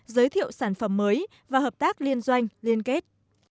giới thiệu sản phẩm mới và hợp tác liên doanh liên kết